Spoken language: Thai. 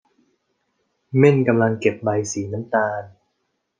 เม่นกำลังเก็บใบสีน้ำตาล